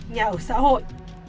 nhà ở xã hội